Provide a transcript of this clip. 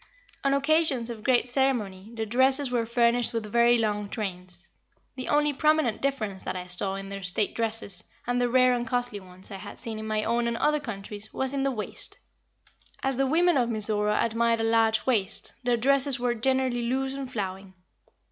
On occasions of great ceremony their dresses were furnished with very long trains. The only prominent difference that I saw in their state dresses, and the rare and costly ones I had seen in my own and other countries, was in the waist. As the women of Mizora admired a large waist, their dresses were generally loose and flowing.